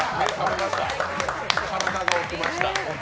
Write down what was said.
体が起きました。